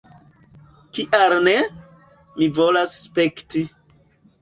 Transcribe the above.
Kial ne? Mi volas spekti